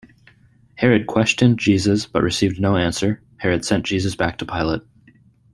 Herod questioned Jesus but received no answer; Herod sent Jesus back to Pilate.